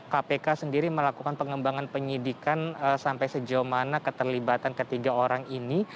kpk sendiri melakukan pengembangan penyidikan sampai sejauh mana keterlibatan ketiga orang ini